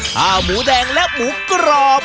ข้าวหมูแดงและหมูกรอบ